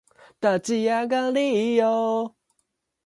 The team was conceived and owned by Glastonbury accountant William Chipman.